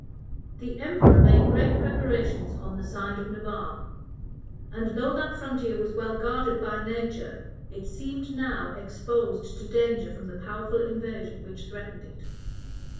The emperor made great preparations on the side of Navarre; and though that frontier was well guarded by nature, it seemed now exposed to danger from the powerful invasion which threatened it.